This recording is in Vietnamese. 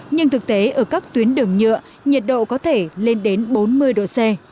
nhưng thực tế ở các tuyến đường nhựa nhiệt độ có thể lên đến bốn mươi độ c